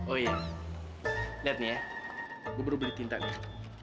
oh iya liat nih ya gue baru beli tinta nih